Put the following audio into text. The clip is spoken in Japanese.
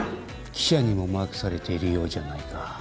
記者にもマークされているようじゃないか。